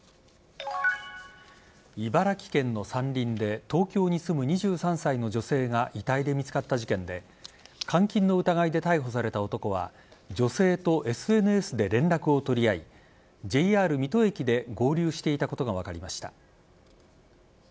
茨城県の山林で東京に住む２３歳の女性が遺体で見つかった事件で監禁の疑いで逮捕された男は女性とＳＮＳで連絡を取り合いＪＲ水戸駅で合流していたことが分かりました。